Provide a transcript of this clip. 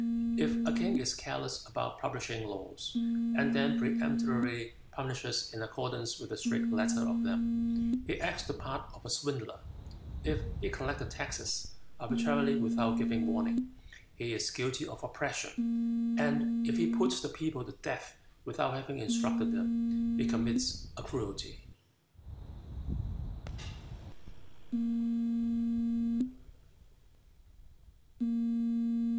If a king is careless about publishing laws, and then peremptorily punishes in accordance with the strict letter of them, he acts the part of a swindler; if he collect the taxes arbitrarily without giving warning, he is guilty of oppression; and if he puts the people to death without having instructed them, he commits a cruelty."